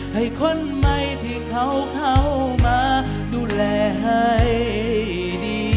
ให้คนใหม่ที่เขาเข้ามาดูแลให้ดี